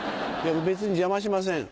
別に邪魔しません。